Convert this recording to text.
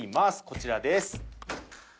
こちらです。